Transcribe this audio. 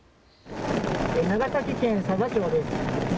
長崎県佐々町です。